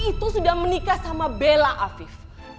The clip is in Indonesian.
itu sudah menikah sama bella afif